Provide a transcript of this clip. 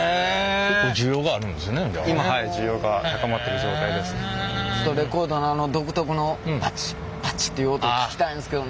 ちょっとレコードのあの独特のパチッパチッていう音聴きたいんですけどね。